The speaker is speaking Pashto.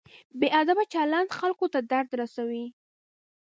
بې ادبه چلند خلکو ته درد رسوي.